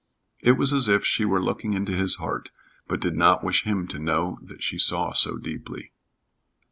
It was as if she were looking into his heart, but did not wish him to know that she saw so deeply.